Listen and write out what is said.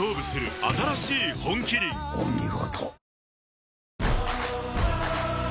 お見事。